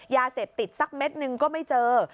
ยาเสพติดสักเม็ดหนึ่งก็ไม่เจอ